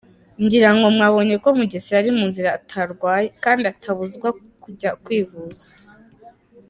Ngira ngo mwabonye ko Mugesera ari muzima atarwaye, kandi atabuzwa kujya kwivuza.